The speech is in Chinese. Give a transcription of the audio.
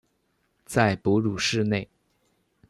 在哺乳室内